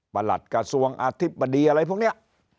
หลัดกระทรวงอธิบดีอะไรพวกนี้